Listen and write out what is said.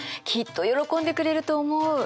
きっと喜んでくれると思う。